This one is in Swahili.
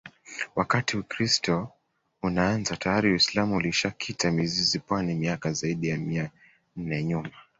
Wakati Ukiristo unaanza tayari uisilamu ulishakita mizizi pwani miaka ziaidi ya mia nne nyuma